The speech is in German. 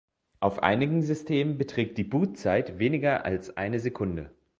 Auf einigen Systemen beträgt die Boot-Zeit weniger als eine Sekunde.